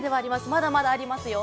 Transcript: まだまだありますよ。